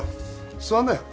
座んなよ